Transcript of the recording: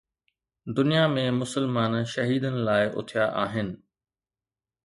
دنيا ۾ مسلمان شهيدن لاءِ اٿيا آهن.